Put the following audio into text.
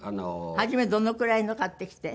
初めどのくらいの買ってきて？